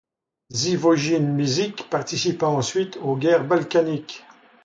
Živojin Mišić participa ensuite aux guerres balkaniques.